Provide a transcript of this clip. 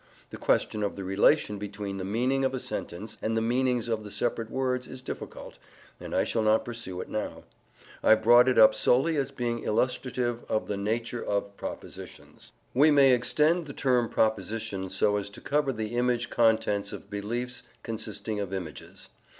The question of the relation between the meaning of a sentence and the meanings of the separate words is difficult, and I shall not pursue it now; I brought it up solely as being illustrative of the nature of propositions. We may extend the term "proposition" so as to cover the image contents of beliefs consisting of images.